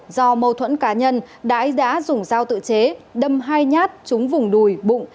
do mâu thuẫn cá nhân đại đã dùng dao tự chế đâm hai nhát trúng vùng đùi bụng